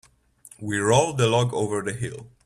We rolled the log over the hill.